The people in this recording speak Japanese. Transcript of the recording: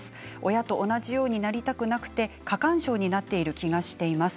親と同じようになりたくなくて過干渉になっている気がしています。